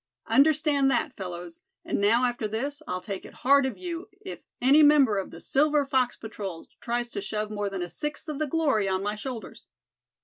Understand that, fellows; and now after this, I'll take it hard of you if any member of the Silver Fox Patrol tries to shove more than a sixth of the glory on my shoulders."